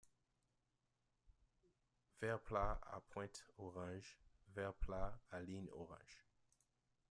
Ver plat à pointe orange, Ver plat à ligne orange.